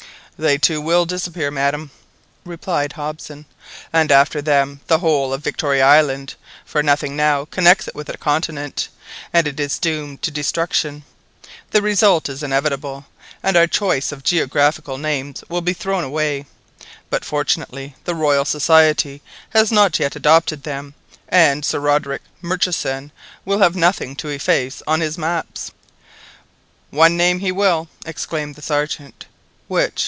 "They too will disappear, madam," replied Hobson, "and after them the whole of Victoria Island, for nothing now connects it with a continent, and it is doomed to destruction. This result is inevitable, and our choice of geographical names will be thrown away; but fortunately the Royal Society has not yet adopted them, and Sir Roderick Murchison will have nothing to efface on his maps." "One name he will," exclaimed the Sergeant. "Which?"